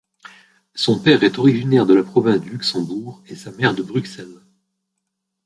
Son père est originaire de la province du Luxembourg et sa mère de Bruxelles.